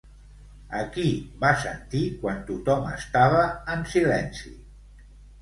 A qui va sentir quan tothom estava en silenci?